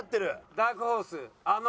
ダークホースあの。